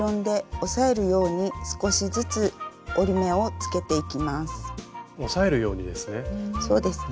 押さえるようにですね。